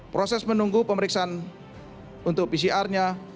proses menunggu pemeriksaan untuk pcr nya